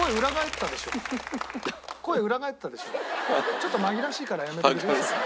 ちょっと紛らわしいからやめてくれる？